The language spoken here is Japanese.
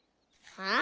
はあ？